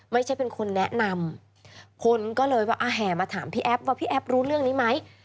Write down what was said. ไม่ใช่เป็นคนแนะนำคนก็เลยว่าแห่มาถามพี่แอฟว่าพี่แอฟรู้เรื่องนี้ไหม